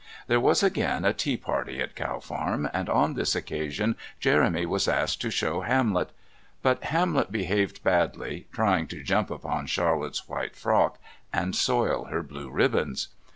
There was again a tea party at Cow Farm, and on this occasion Jeremy was asked to show Hamlet. But Hamlet behaved badly, trying to jump upon Charlotte's white frock and soil her blue ribbons.